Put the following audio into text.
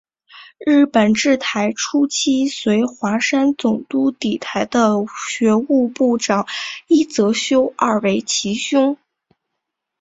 日本治台初期随桦山总督抵台的学务部长伊泽修二为其兄。